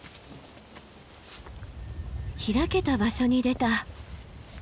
開けた場所に出た。